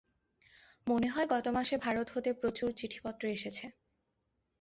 মনে হয়, গত মাসে ভারত হতে প্রচুর চিঠিপত্র এসেছে।